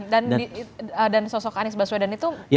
dan sosok anies baswedan itu memenuhi syarat itu